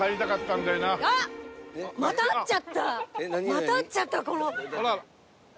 また会っちゃったこの。